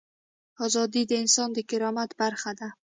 ازادي د انسان د کرامت برخه ده.